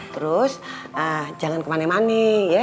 terus jangan ke mana mana ya